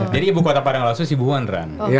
jadi ibu kota padang lasu sibuhuan ran